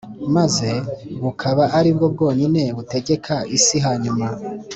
maze bukaba ari bwo bwonyine butegeka isi Hanyuma